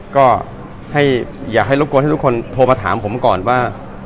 ก็อยากให้ทุกคนโทรมาถามผมก่อนว่า